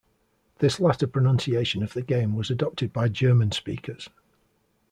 This latter pronunciation of the game was adopted by German speakers.